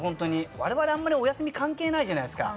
我々、あんまりお休み、関係ないじゃないですか。